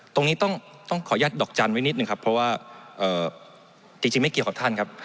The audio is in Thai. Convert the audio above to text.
ตรงนี้ต้องขออนุญาตดอกจันทร์ไว้นิดหนึ่งครับเพราะว่าจริงไม่เกี่ยวกับท่านครับ